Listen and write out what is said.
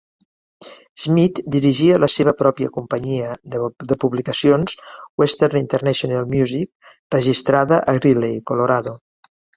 Schmidt dirigia la seva pròpia companyia de publicacions, Western International Music registrada a Greeley, Colorado.